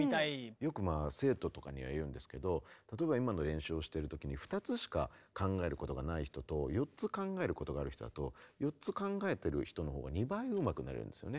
よく生徒とかには言うんですけど例えば今の練習をしてる時に２つしか考えることがない人と４つ考えることがある人だと４つ考えてる人のほうが２倍うまくなれるんですよね。